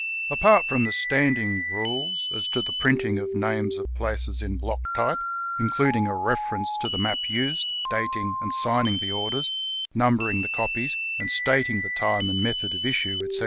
Apart from the standing rules as to the printing of names of places in block type, including a reference to the map used, dating and signing the orders, numbering the copies, and stating the time and method of issue, etc.